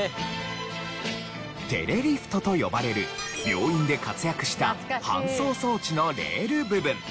テレリフトと呼ばれる病院で活躍した搬送装置のレール部分。